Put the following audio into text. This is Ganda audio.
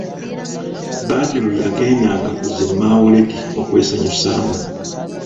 Badru yagendanga ku zimawuledi okwesanyusamu.